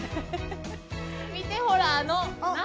見てほらあの何？